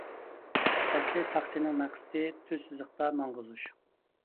ئەسلى ساقچىنىڭ مەقسىتى تۈز سىزىقتا ماڭغۇزۇش.